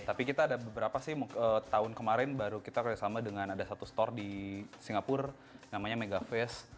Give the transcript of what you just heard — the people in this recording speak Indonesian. tapi kita ada beberapa sih tahun kemarin baru kita kerjasama dengan ada satu store di singapura namanya megafast